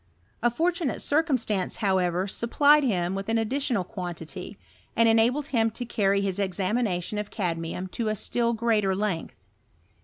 A fortunate circumstance, however, supplied him with an additional quantity, and en abled him to carry his examination of cadmium to k still greater length.